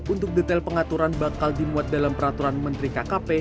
untuk detail pengaturan bakal dimuat dalam peraturan menteri kkp